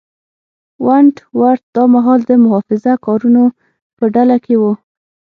ونټ ورت دا مهال د محافظه کارانو په ډله کې و.